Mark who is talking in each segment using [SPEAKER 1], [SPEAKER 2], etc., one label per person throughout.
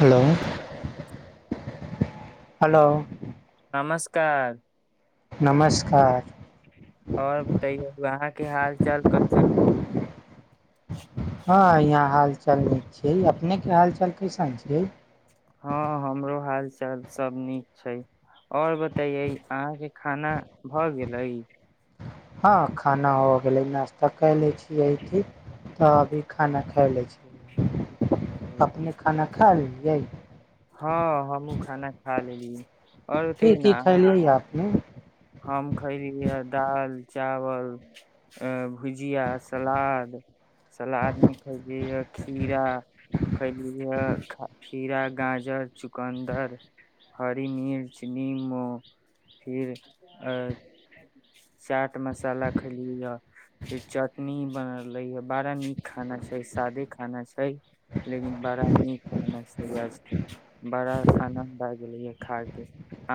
[SPEAKER 1] hello
[SPEAKER 2] [inaudible]
[SPEAKER 1] hello
[SPEAKER 2] नमस्कार
[SPEAKER 1] नमस्कार
[SPEAKER 2] आओर बतैय आहाँके हाल चाल कइसन
[SPEAKER 1] हँ यहाँ हाल चाल न छै अपने के हाल चाल कैसन छै
[SPEAKER 2] हँ हमरो हाल चाल सभ नीक छै आओर बतैयै अहाँके खाना भऽ गेलै
[SPEAKER 1] हँ खाना हो गेलै नाश्ता कए लै छियै की तऽ अभी खाना खा लै छियै अपने खाना खा ली यैय
[SPEAKER 2] हँ हमहूँ खाना खा लेली आओर ओते
[SPEAKER 1] की की
[SPEAKER 2] ने
[SPEAKER 1] खैलियै अपने
[SPEAKER 2] हम खयली है दाल चावल अ भुजिया सलाद सलाद मे खैल खीरा खइलीय खीरा गाजर चुकन्दर हरी मिर्च निमू फिर आ चाट मसाला खेलियै ह फेर चटनी बनले य बड़ा नीक खाना छै सादे खाना छै लेकिन बड़ा नीक मस्त बड़ा आनद आ गेले य खा के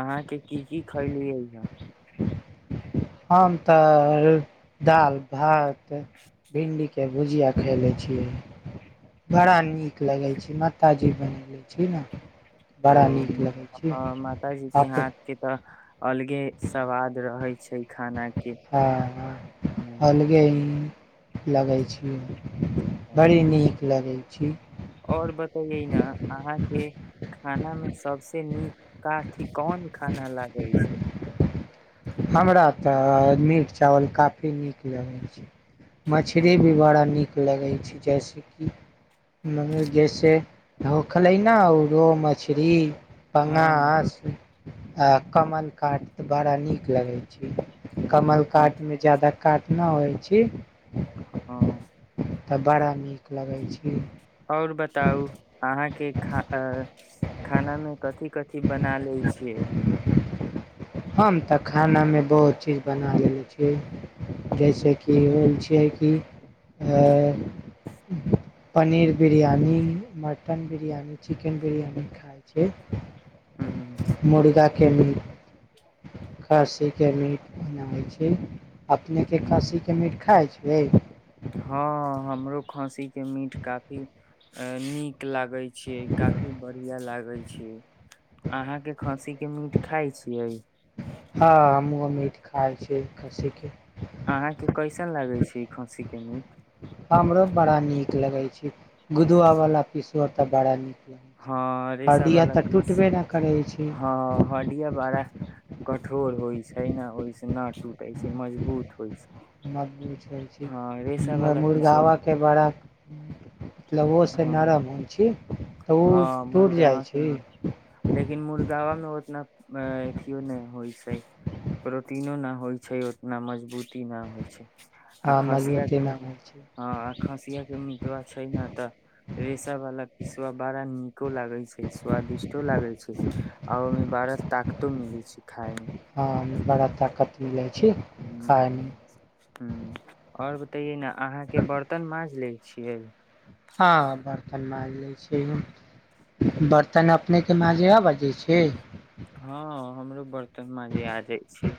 [SPEAKER 2] अहाँ के की की खैलियैहे [inaudible]
[SPEAKER 1] हम तऽ दालि भात भिणडी के के भुजिया खय ले छियै बड़ा नीक लगैत छै माताजी बनले छी ने
[SPEAKER 2] ओ
[SPEAKER 1] बड़ा नीक लगे छै
[SPEAKER 2] मातााजी की
[SPEAKER 1] अप
[SPEAKER 2] हाथ के तऽ अलगे स्वाद रहै छै खाना के
[SPEAKER 1] हँ लगै छियै बड़ी नीक लगै छी
[SPEAKER 2] आओर बतैयै ने अहाँके खानामे सभसँ नीक काथी कोन खाना लागै छै
[SPEAKER 1] हमरा तऽ मीट चावल काफी नीक लगैत छै
[SPEAKER 2] ओ
[SPEAKER 1] मछरी भी बड़ा नीक लगै छै जैसेकि म जैसे ढोखलै ने आो रोह मछरी
[SPEAKER 2] हँ
[SPEAKER 1] पंगारस आ कमलकाट तऽ बड़ा नीक लागै
[SPEAKER 2] हँ हँ
[SPEAKER 1] कमलकाट मे जादा काटना होइ छी
[SPEAKER 2] ओ
[SPEAKER 1] तऽ बड़ा नीक लगैत छै
[SPEAKER 2] आओर बताउ अहाँके खा खानामे कथि कथि बना ले छियै
[SPEAKER 1] हम तऽ खानामे बहुत चीज बना लने छियै जैसेि होइ छियै कि पनीर बिरियानी मटन बिरियानी चिकेन बिरियानी खाइ छै
[SPEAKER 2] हू
[SPEAKER 1] खेलू खस्सी के मीट बनाबै छी अपने के खसी के मीट खाइ छै छियै
[SPEAKER 2] हँ हमरो खंसी के मीट काफी नीक लाग लगे छीे काफी बढ़िया लागे छै अहाँ के खसी के मीट खाइ छियै
[SPEAKER 1] हँ हम मीठ खााय छी खसी के
[SPEAKER 2] अहाँके कैसन लागैत छै ई खस्सीके मीट
[SPEAKER 1] हमरो बड़ा नीक लगैत छै गुदुआवला पिसुो तऽ बड़ा
[SPEAKER 2] हँ
[SPEAKER 1] नीक
[SPEAKER 2] रेसा
[SPEAKER 1] हड्डीया
[SPEAKER 2] वाला
[SPEAKER 1] तऽ
[SPEAKER 2] पीस
[SPEAKER 1] टूटबे नहि करै छै
[SPEAKER 2] हँ हड्डिया बड़ा कठोर होइ छै ने ओहिसँ ना टूटे छै मजबूत होइ छै
[SPEAKER 1] मजबूत होइ
[SPEAKER 2] हँ रेसा
[SPEAKER 1] छै
[SPEAKER 2] वाला पीसवा
[SPEAKER 1] मुर्गावा के बड़ा लवोसँ
[SPEAKER 2] हँ
[SPEAKER 1] नरम होइ छै तऽ
[SPEAKER 2] हँ
[SPEAKER 1] उ टूट जाय
[SPEAKER 2] मुर्गवा के
[SPEAKER 1] छै
[SPEAKER 2] नहि लेकिन मुर्गावा मे उतना अ अथिियो नहि होइ छै प्रोटीनो न होइ छै उतना मजबूती नहि होइ छै आ
[SPEAKER 1] हां
[SPEAKER 2] खसिया
[SPEAKER 1] मजबूते
[SPEAKER 2] के
[SPEAKER 1] ना होय छै
[SPEAKER 2] हँ आ खसिय के मिटवा छै ने तऽ रेशा वाला ई सबव बड़ा नीको लागे छै स्वादिष्टो लागे छै आ ओमें बड़ा ताकतो मिले छै खाय
[SPEAKER 1] हँ बड़ा ताकत मिलै छै खायमे
[SPEAKER 2] आओर तैयि ना अहाँ के बर्तन माँज ले छियै
[SPEAKER 1] हँ बर्तन माँज ले छै बर्तन अपने के माँज बजै छै
[SPEAKER 2] हँ हमरो तऽ मजी आ जा छी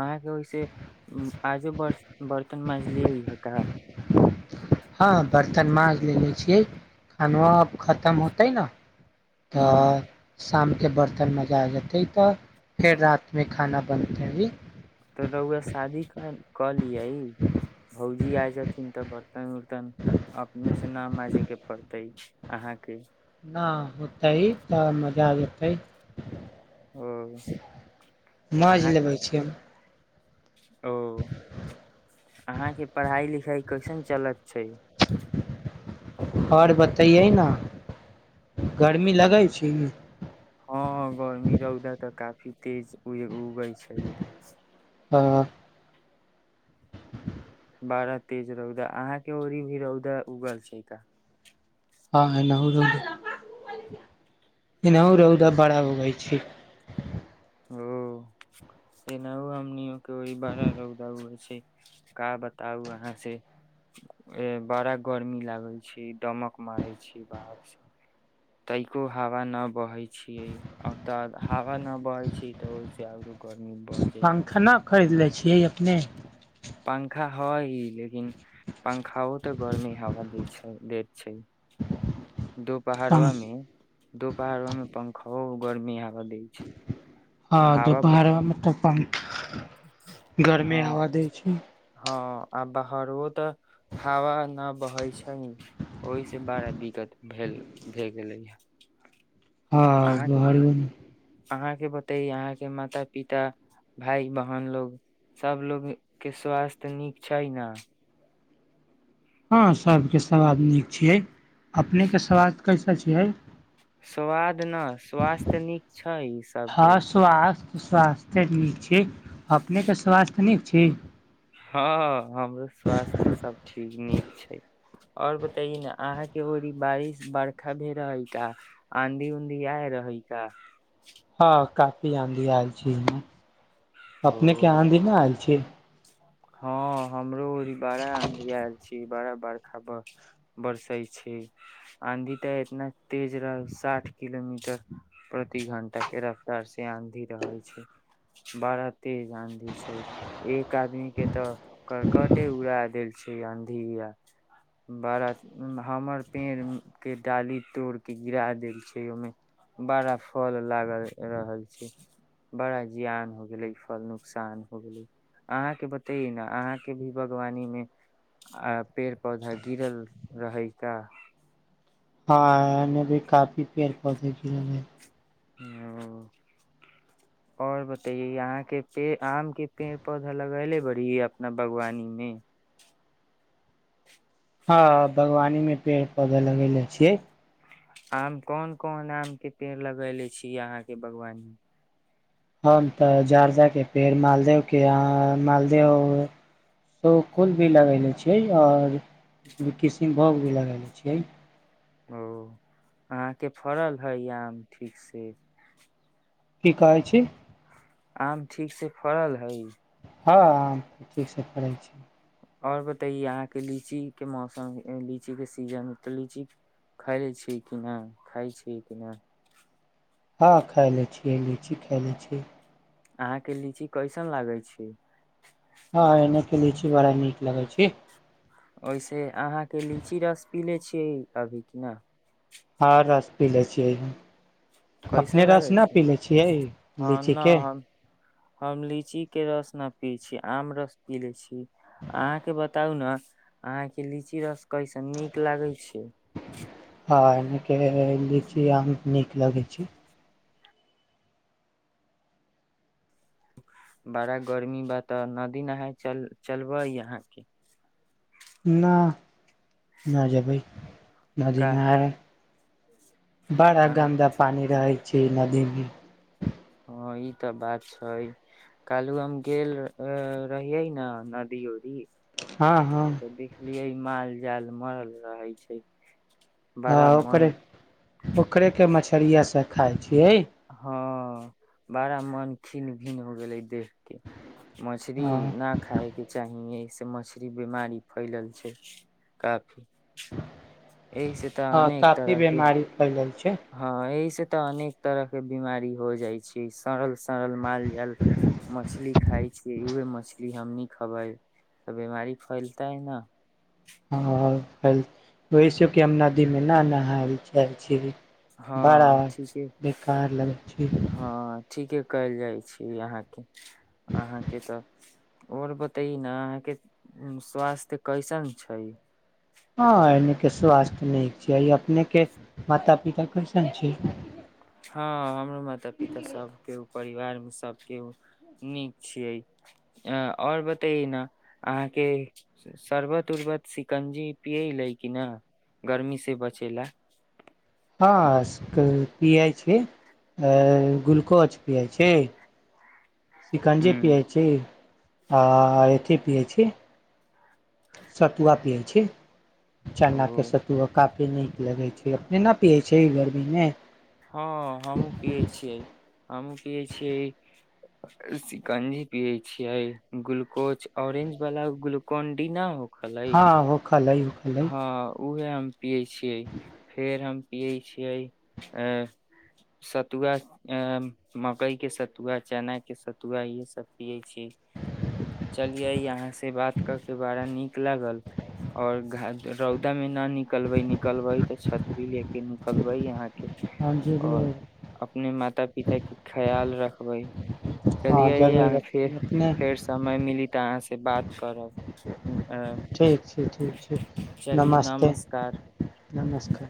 [SPEAKER 2] आ ओहि आजो ब बर्तन माँजलियै इह कह
[SPEAKER 1] हँ बर्तन माँज ले ले छियै खानो अब खतम होते न
[SPEAKER 2] ह
[SPEAKER 1] तऽ शाम के बर्तन मजा जेतै तऽ फेर रातमे खाना बनते ही
[SPEAKER 2] तो रहुआ शादी क लियै भौजी आ जेथिन तऽ बर्तन उर्तन अपने से न मजे के पड़तै अहाँके
[SPEAKER 1] नहि होतै त मजा लतै
[SPEAKER 2] ओ
[SPEAKER 1] माज
[SPEAKER 2] अहाँके
[SPEAKER 1] लेबै छिय
[SPEAKER 2] ओ अहााँके पढ़ाई लिखाई कैसन चलत छै
[SPEAKER 1] आओर बतैयै ने गर्मी लगै छै ई
[SPEAKER 2] हँ गर्मी रहौदा तऽ कात फी तेज उय हो उगै छै ईधर
[SPEAKER 1] हँ
[SPEAKER 2] बड़ा तेज रौदा अहाँ के ओरी भी रौदा उगल छै तऽ
[SPEAKER 1] हँनाहु रौदा बड़ा होगइ छै
[SPEAKER 2] ओ ऐन हो हमनी केइ बाहार रौद होइ छै क बताउ अहाँ से बड़ा गर्मी लागै छै दमक मारै छी बाहर से तैको हवा न बहे छियै तऽ हवा न बह छी तऽ ओहिस आरो गर्मी बढ़ जाइ
[SPEAKER 1] यै अपने
[SPEAKER 2] पंखा हय लेकिन पंखाओ तऽ गर्मेी हवा दे छै हैत छै दूपहड़वा में दूपहाड़वा में पंखा गर्मी आब
[SPEAKER 1] हँ त
[SPEAKER 2] ब
[SPEAKER 1] बहरा अपन गर्मी
[SPEAKER 2] हँ
[SPEAKER 1] हावा दै छै
[SPEAKER 2] हँ आ बाहरो तऽ हवा नहि बहै छै ओहिसँ बड़ा दिक्कत भेल भए गेलै हँ
[SPEAKER 1] हँ बहहारो ने
[SPEAKER 2] अहाँके बतै अहाँके माता पिता भाय बहन लोग सभलोगके स्वास्थ्य नीक छै ने
[SPEAKER 1] हँ सबके सवाल नीक छियै अपनेके स्वास्थ कैसे छियै
[SPEAKER 2] सआाद न स्वास्थ्य नीक छै ई सब
[SPEAKER 1] हँ
[SPEAKER 2] के ओ के
[SPEAKER 1] स्वास्थ्य स्वास्थ्य नीक छै अपनेके स्वास्थ्य नीक छी
[SPEAKER 2] हँ हमरो स्वास्थ्य सब ठीक चीज नीक छै आओर बताइए ने अहाँके ओ बारिश बरखा भ रहै का आंधी ऊंधी आय रहै का
[SPEAKER 1] हँ क पआन दिआएल छीजमे अपने के
[SPEAKER 2] ओ
[SPEAKER 1] आाँधी ने आयल छी
[SPEAKER 2] हँ हमरो बड़ा आंधी आयल छी बड़ा वर्षा बरसे छै आँधी तऽ इतना तेज रह साठ किलोमीटर प्रति घंटा के रफ्तार से आंधी रहै छै बड़ा तेज आँधी छै एक आदमी के तऽ करकटे उड़ायत देल छै आंधी आ बड़ा हमर पेड़ के डाली तोड़ के गिरा देल छै ओहिमे बड़ा फल लागल रहल छै बड़ा जियान हो गेले फल नुकसान हो गेले अहाँ के ब ते ने अहाँके भी बागवानी मे आ पेड़ पौधा गिरल रहै का
[SPEAKER 1] हँ एने भी काफी पेड़ पौधे कि
[SPEAKER 2] ओ आओर बतैए यहाँके पेड़ आम के पेड़ पौधा लगले बड़ीै अपना बागवानी मे
[SPEAKER 1] हँ बागवानी मे पेड़ पौधा लगेेले छियै
[SPEAKER 2] आब कोन कोन आम के पेड़ लगले छीयै अहाँके बागवानी
[SPEAKER 1] हम तऽ जारदाके पेड़ मालदेके अह मालदेह शकुल भी लगयनेे छियै आओर किशनभोग भी लगयनेे छियै
[SPEAKER 2] ओ अहाँके फड़ल हइ आम ठीक से
[SPEAKER 1] की कहै छी
[SPEAKER 2] आम ठीक से फड़ल हइ
[SPEAKER 1] हँ आम ठीकसँ करै छी
[SPEAKER 2] आओर बतैयए अहाँके लीचीके मौसम लीचीके सीजन तऽ लीची खाय लै छी कि नहि खाइ छी कि नहि
[SPEAKER 1] हँ खायले छी लीची खाायले छी
[SPEAKER 2] अहाँके लीची कैइसन लागै छै
[SPEAKER 1] हँ एने क लीची बड़ा नीक लागै छै
[SPEAKER 2] ओहिसे अहाँके लीची रस पी ले छियै अभी कि न
[SPEAKER 1] हँ रस पी लै छियै अपने
[SPEAKER 2] कैसन
[SPEAKER 1] रस
[SPEAKER 2] लागे
[SPEAKER 1] न
[SPEAKER 2] छै
[SPEAKER 1] पी ले छियै
[SPEAKER 2] हँ
[SPEAKER 1] लीची
[SPEAKER 2] न
[SPEAKER 1] के
[SPEAKER 2] हम हम लीचीके रस नहि पियै छी आम रस पी लै छी अहाँके बताउ ने अहाँके लीची रस कैसन नीक लागै छै
[SPEAKER 1] हँ एनेके ली छी आ नीक लगै छै
[SPEAKER 2] बड़ा गर्मी बा तऽ नदी नहाय चल चलबै यहाँके
[SPEAKER 1] नहि नहि जबै
[SPEAKER 2] काहे
[SPEAKER 1] नदीनार बड़ा
[SPEAKER 2] अहाँ
[SPEAKER 1] गन्दा पानी रहै च नदीमे
[SPEAKER 2] ह ई तऽ बात छै कालु हम गेल रहिये ने नदी उरीी
[SPEAKER 1] हँ हँ
[SPEAKER 2] तऽ देखिख लििय माल जाल मरल रहै छै बड़ मन
[SPEAKER 1] ओखेके मछरिआसँ खाइ छियै
[SPEAKER 2] हँ बड़ा मन खन्िन भन्िन हो गेलै देखके मछरी
[SPEAKER 1] हँ
[SPEAKER 2] न खाायके चाहिए स मछरी बीमारी फैलल छै क तऽ
[SPEAKER 1] हँ
[SPEAKER 2] अनेक
[SPEAKER 1] कफी
[SPEAKER 2] तरह के
[SPEAKER 1] बीमार फैलै छै
[SPEAKER 2] हँ एहिसँ तऽ अनेक तरह के बिीमारी हो जाइ छै सड़ल सड़ल माल जाल मछली खाइ छ उहे मछली हमनी खेबै तऽ बिीमारी फैलतै ने
[SPEAKER 1] ओहिस कि हम नदीमे नहि नहाय लए चाहै छी बड़ा
[SPEAKER 2] हँ ठीके
[SPEAKER 1] बेकार लगै छी
[SPEAKER 2] हँ ठीके कयल जाइ छै अहाँके अहाँके तऽ आओर बतै ने अहाँके स्वास्थ्य कैसन छै
[SPEAKER 1] हँ एने के स्वास्थ्य नीक छै अपने के माता पिता कैसन छै
[SPEAKER 2] हँ हमर माता पिता सबके परिवारमे सभके नीक छियै अ आओर बतैए ने अहाँके शरबत उर्बत शिकंजी पियले कि न गर्मीसँ बचे ला
[SPEAKER 1] हँ पियै छी ग्लुकोज पियै छै शिकंजे पिआै छै आ एत पियै छी स तू आियै छी चनाके
[SPEAKER 2] ओ
[SPEAKER 1] सत्तुआ काफी नीक लगैत छै न न पियै छै ई गरमीमे
[SPEAKER 2] हँ हमूँ पियै छियै हमूँ पियै छियै शिकंजी पियै छियै ग्लूकोज ऑरेंज वालला ग्लूकोन डी नहि हो
[SPEAKER 1] हँ व खल हइ ओखलइ
[SPEAKER 2] उएहे पियै छियै फेर हम पियै छियै अ सतुआ अ मकई के सतुआ चना के सतुआ इहे सब पियै छी चलियै यहाँ से बात क के बड़ा नीक लागल ओर घ रौदा मे न निकलबै निकलबै तऽ छतरी ले के निकलबै यहाँके
[SPEAKER 1] हम
[SPEAKER 2] आओर
[SPEAKER 1] जरूर
[SPEAKER 2] अपने माता पिता के खयाल रखबै
[SPEAKER 1] हँ
[SPEAKER 2] चलियै
[SPEAKER 1] जरूर
[SPEAKER 2] अहाँ फेर
[SPEAKER 1] रखबै अपने
[SPEAKER 2] फेर समय मिली तऽ अहाँ से बात करब अ
[SPEAKER 1] ठीक छै ठीक छै
[SPEAKER 2] चलियए
[SPEAKER 1] नमस्ते
[SPEAKER 2] नमस्कार
[SPEAKER 1] नमस्कार